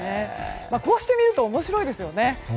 こうして見ると面白いですよね。